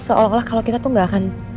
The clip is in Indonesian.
seolah olah kalau kita tuh gak akan